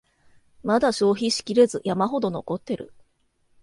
まだ消費しきれず山ほど残ってる